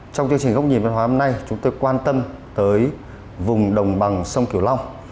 trong chương trình góc nhìn văn hóa hôm nay chúng tôi quan tâm tới vùng đồng bằng sông kiều long